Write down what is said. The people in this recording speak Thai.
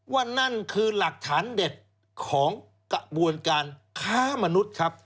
นั่นคือหลักฐานเด็ดของกระบวนการค้ามนุษย์ครับ